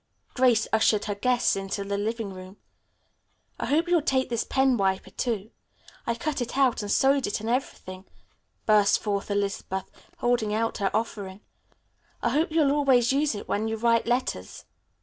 Grace ushered her guests into the living room. "I hope you'll like this pen wiper, too. I cut it out and sewed it and everything," burst forth Elizabeth, holding out her offering. "I hope you'll always use it when you write letters."